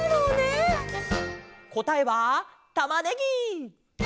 こたえはたまねぎ！